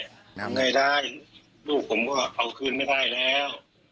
ทำไงได้ลูกผมก็เอาคืนไม่ได้แล้ว